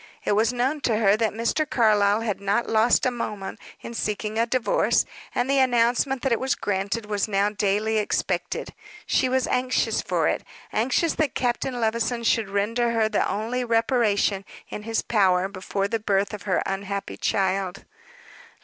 It was known to her that Mr. Carlyle had not lost a moment in seeking a divorce and the announcement that it was granted was now daily expected. She was anxious for it anxious that Captain Levison should render her the only reparation in his power before the birth of her unhappy child.